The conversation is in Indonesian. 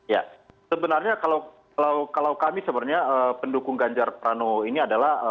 ya sebenarnya kalau kami sebenarnya pendukung ganjar pranowo ini adalah